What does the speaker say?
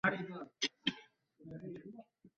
দস্যুরা তাহাকে মাঝে মাঝে ভয় দেখাইয়া যায়।